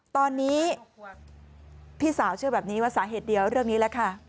ตอนนี้พี่สาวเชื่อแบบนี้ว่าสาเหตุเดียวเรื่องนี้แหละค่ะ